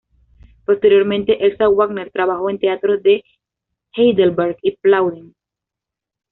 Posteriormente Elsa Wagner trabajó en teatros de Heidelberg y Plauen.